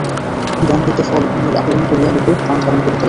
বন হইতে ফল মূল আহরণ করিয়া লোকে প্রাণধারণ করিতে লাগিল।